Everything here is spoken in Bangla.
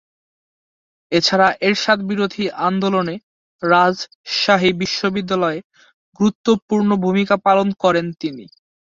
এছাড়া এরশাদ বিরোধী আন্দোলনে রাজশাহী বিশ্ববিদ্যালয়ে গুরুত্বপূর্ণ ভূমিকা পালন করেন তিনি।